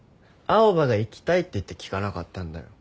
青羽が行きたいっていってきかなかったんだよ。